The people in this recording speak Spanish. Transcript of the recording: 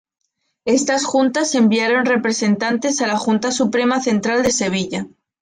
Estas juntas enviaron representantes a la Junta Suprema Central de Sevilla.